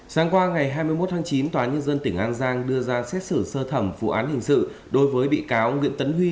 sáng qua ngày hai mươi một tháng chín tòa nhân dân tỉnh an giang đưa ra xét xử sơ thẩm vụ án hình sự đối với bị cáo nguyễn tấn huy